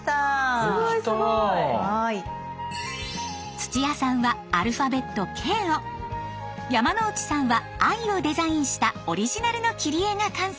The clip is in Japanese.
土屋さんはアルファベット「Ｋ」を。山之内さんは「Ｉ」をデザインしたオリジナルの切り絵が完成。